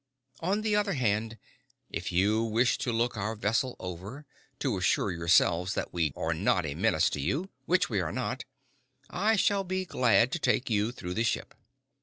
On the other hand, if you wish to look our vessel over, to assure yourselves that we are not a menace to you which we are not I shall be glad to take you through the ship."